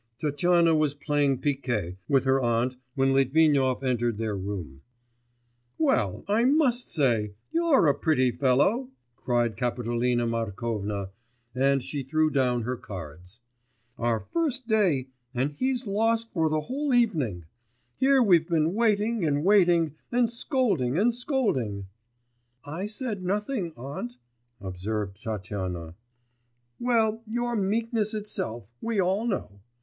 Tatyana was playing picquet with her aunt when Litvinov entered their room. 'Well, I must say, you're a pretty fellow!' cried Kapitolina Markovna, and she threw down her cards. 'Our first day, and he's lost for the whole evening! Here we've been waiting and waiting, and scolding and scolding....' 'I said nothing, aunt,' observed Tatyana. 'Well, you're meekness itself, we all know!